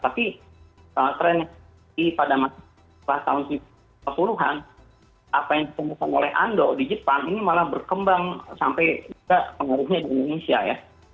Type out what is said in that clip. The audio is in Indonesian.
tapi tren pada masa tahun seribu sembilan ratus enam puluh an apa yang ditemukan oleh ando di jepang ini malah berkembang sampai pengaruhnya di indonesia ya